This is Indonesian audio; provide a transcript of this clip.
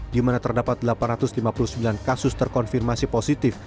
di mana terdapat delapan ratus lima puluh sembilan kasus terkonfirmasi positif